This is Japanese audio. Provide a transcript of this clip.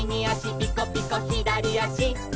「ピコピコひだりあし」